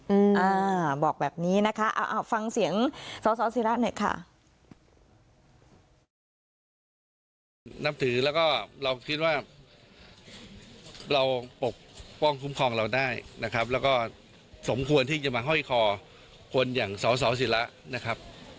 อืออออบอกแบบนี้นะคะเอาฟังเสียงสสศิระหน่อยคะ